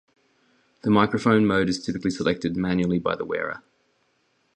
The microphone mode is typically selected manually by the wearer.